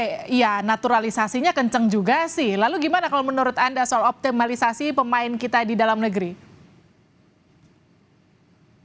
oke iya naturalisasinya kenceng juga sih lalu gimana kalau menurut anda soal optimalisasi pemain kita di dalam negeri